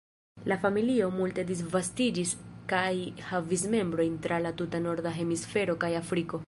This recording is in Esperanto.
La familio multe disvastiĝis kaj havis membrojn tra la tuta norda hemisfero kaj Afriko.